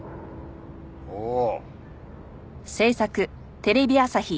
おお。